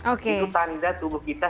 itu tanda tubuh kita